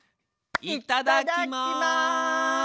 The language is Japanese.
いただきます！